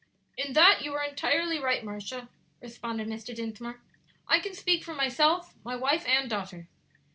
"In that you are entirely right, Marcia," responded Mr. Dinsmore; "I can speak for myself, my wife, and daughter."